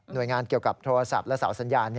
โดยงานเกี่ยวกับโทรศัพท์และเสาสัญญาณ